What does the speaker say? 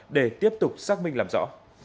để tiếp tục xác minh làm rõ